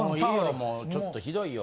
もうちょっとひどいよ。